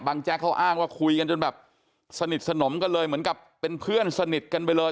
แจ๊กเขาอ้างว่าคุยกันจนแบบสนิทสนมกันเลยเหมือนกับเป็นเพื่อนสนิทกันไปเลย